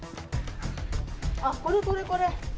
あっ、これこれこれ。